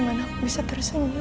aku selalu percaya sama sayangnya